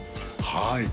はい